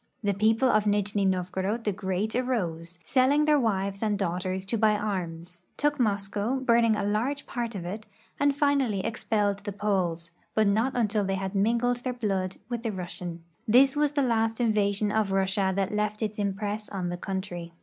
The people of Nijni Novgorod the Great arose, selling their wives and daughters to buy arms, took Moscow, burning a large part of it, and finally expelled the Poles, but not until they had mingled their blood with the Rus sian. This was the last invasion of Russia that left its impress on the country.